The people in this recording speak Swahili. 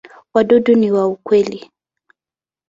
Wadudu wa kweli.